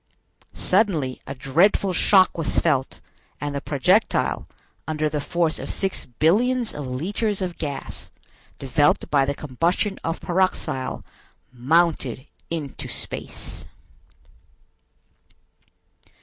Suddenly a dreadful shock was felt, and the projectile, under the force of six billions of litres of gas, developed by the combustion of pyroxyle, mounted into space.